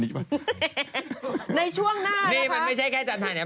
ในช่วงหน้าเนี่ยคะมันไม่ใช่แค่จรรทางอีก